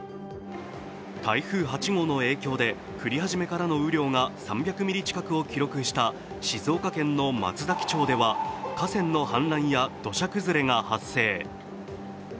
台風８号の影響で、降り始めからの雨量が３００ミリ近くを記録した静岡県の松崎町では河川の氾濫や土砂崩れが発生。